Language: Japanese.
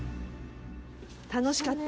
楽しかった。